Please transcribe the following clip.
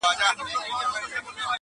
بیا یې نوی سپین کفن ورڅخه وړی-